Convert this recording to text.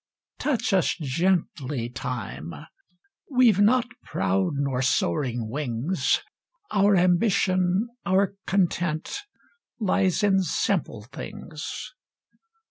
Touch us gently, Time! We've not proud nor soaring wings; Our ambition, our content, Lies in simple things.